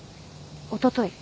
おととい。